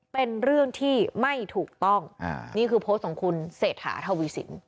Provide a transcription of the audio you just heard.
เป็นเรื่องที่ไม่ถูกต้องนี่คือโพสต์ของคุณเศรษฐาทวีสิน